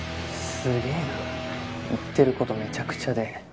すげえな言ってる事めちゃくちゃで。